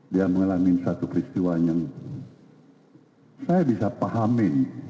dia mengalami satu peristiwa yang saya bisa pahami